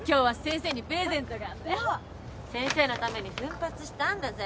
先生のために奮発したんだぜ。